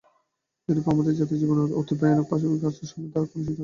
এইরূপে আমাদের জাতীয় জীবন অতি ভয়ানক পাশবিক আচারসমূহ দ্বারা কলুষিত হইল।